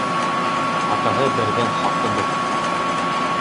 Атаһы берҙең хаҡы бер.